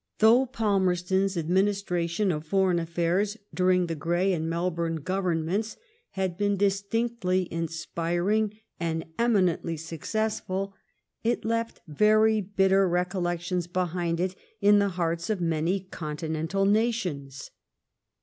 Though Palmerston's administration of foreign affairs during the Grey and Melbourne Governments had been distinctly inspiring and eminently successful, it left very bitter recollections behind it in the hearts of many continental nations.